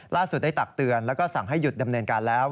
ได้ตักเตือนแล้วก็สั่งให้หยุดดำเนินการแล้ว